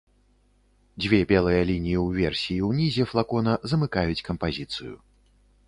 Дзве белыя лініі ўверсе і ўнізе флакона замыкаюць кампазіцыю.